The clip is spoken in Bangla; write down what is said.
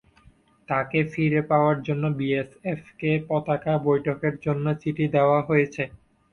তাঁকে ফিরে পাওয়ার জন্য বিএসএফকে পতাকা বৈঠকের জন্য চিঠি দেওয়া হয়েছে।